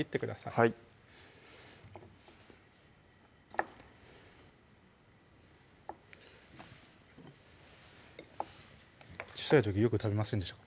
はい小さい時よく食べませんでしたか？